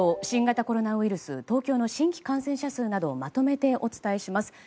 新型コロナウイルス東京の新規感染者数などをまとめてお伝えします。